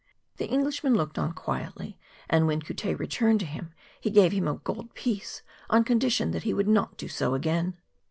The Englishman looked on quietly, and when Couttet returned to him he gave him a gold piece on condition that he would not do so again.